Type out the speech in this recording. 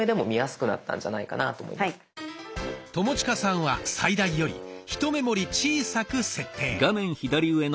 友近さんは最大よりひと目盛り小さく設定。